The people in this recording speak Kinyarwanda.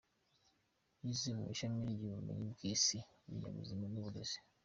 Yize mu ishami ry’Ubumenyi bw’Isi, Ibinyabuzima n’Uburezi.